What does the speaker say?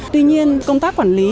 tuy nhiên công tác quản lý